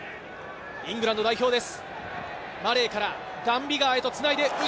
イングランド代表です。